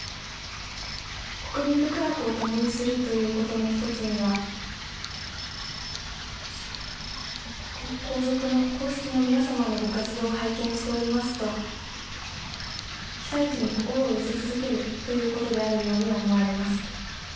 国民と苦楽を共にするということの一つには、皇室の皆様のご活動を拝見しておりますと、被災地に心を寄せ続けるということであるように思われます。